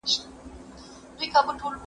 دا قلمان له هغو پاک دي،